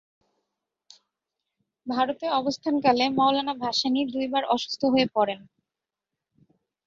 ভারতে অবস্থানকালে মওলানা ভাসানী দুইবার অসুস্থ হয়ে পড়েন।